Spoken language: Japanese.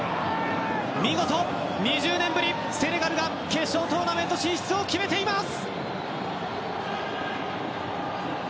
見事、２０年ぶりにセネガルが決勝トーナメント進出を決めています！